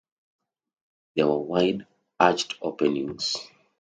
There were wide arched openings.